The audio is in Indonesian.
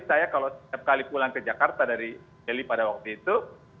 saya kalau setiap kali pulang ke jakarta dari jeli pada waktu itu